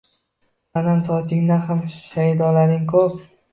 Sanam, sochingdan ham shaydolaring ko’p